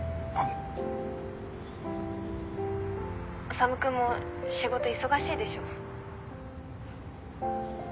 修君も仕事忙しいでしょ？